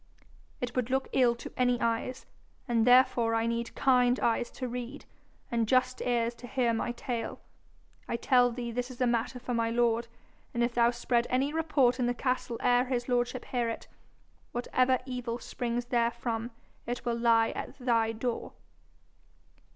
'It would look ill to any eyes, and therefore I need kind eyes to read, and just ears to hear my tale. I tell thee this is a matter for my lord, and if thou spread any report in the castle ere his lordship hear it, whatever evil springs therefrom it will lie at thy door.'